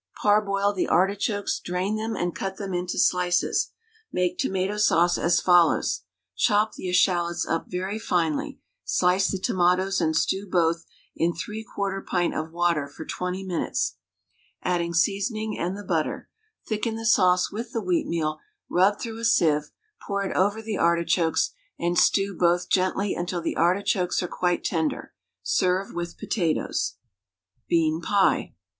Parboil the artichokes, drain them, and cut them into slices. Make tomato sauce as follows: Chop the eschalots up very finely, slice the tomatoes and stew both in 3/4 pint of water for 20 minutes, adding seasoning and the butter; thicken the sauce with the wheatmeal, rub through a sieve, pour it over the artichokes and stew both gently until the artichokes are quite tender; serve with potatoes. BEAN PIE.